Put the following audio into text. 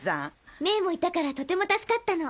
メイもいたからとても助かったの。